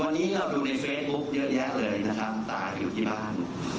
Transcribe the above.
วันนี้เราดูในเฟซบุ๊คเยอะแยะเลยนะครับตายอยู่ที่บ้าน